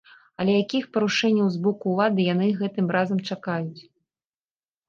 Але якіх парушэнняў з боку ўлады яны гэтым разам чакаюць?